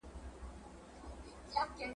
زړه مي ستا سره پیوند وي زه او ته اوسو جانانه `